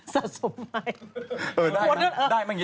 สะสมไมค์